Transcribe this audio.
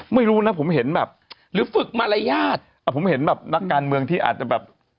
ไม่รู้นะผมเห็นแบบหรือฝึกมารยาทอ่ะผมเห็นแบบนักการเมืองที่อาจจะแบบ